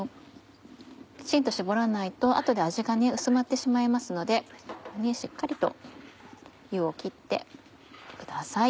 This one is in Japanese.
きちんと絞らないと後で味が薄まってしまいますのでしっかりと湯を切ってください。